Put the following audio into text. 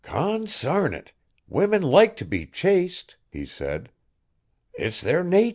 'Consarn it! women like t'be chased,' he said. 'It's their natur'.